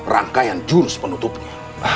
rangkaian jurus penutupnya